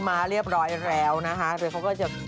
มาเรียบร้อยแล้วนะคะเดี๋ยวเขาก็จะ